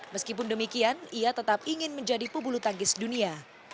meskipun demikian ia tetap ingin menjadi pebulu tangkis dunia